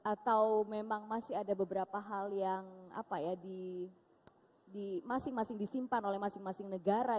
atau memang masih ada beberapa hal yang masing masing disimpan oleh masing masing negara